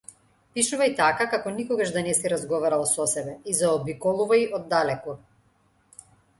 Пишувај така, како никогаш да не си разговарал со себе и заобиколувај оддалеку.